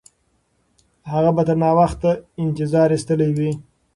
هغه به تر ناوخته انتظار ایستلی وي.